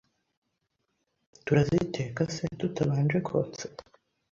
Turaziteka se tutabanje kotsa